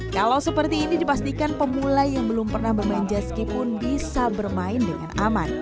kalau seperti ini dipastikan pemulai yang belum pernah bermain jetski pun bisa bermain dengan aman